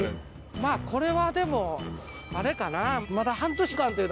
まあこれはでもあれかな。